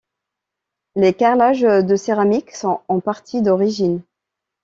Les carrelages de céramique sont, en partie, d'origine.